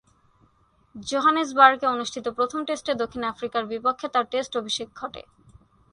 জোহানেসবার্গে অনুষ্ঠিত প্রথম টেস্টে দক্ষিণ আফ্রিকার বিপক্ষে তার টেস্ট অভিষেক ঘটে।